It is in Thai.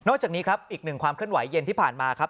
จากนี้ครับอีกหนึ่งความเคลื่อนไหวเย็นที่ผ่านมาครับ